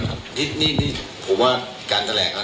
คือมันมีคือคดีเนี้ยมันที่นี่นี่ผมว่าการแสดงเขา